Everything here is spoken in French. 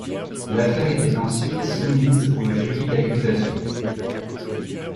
L'affaire était ensuite soumise au jury d'accusation.